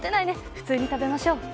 普通に食べましょう。